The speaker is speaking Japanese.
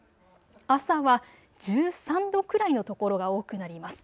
朝は１３度くらいの所が多くなります。